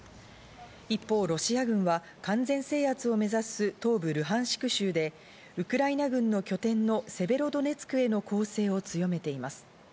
一方、ロシア軍は完全制圧を目指す東部ルハンシク州で、ウクライナ軍の拠点のセベロドネツクへの攻勢を強めています。